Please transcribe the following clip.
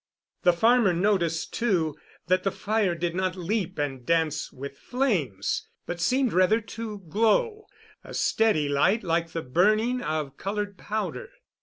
The farmer noticed, too, that the fire did not leap and dance with flames, but seemed rather to glow a steady light like the burning of colored powder.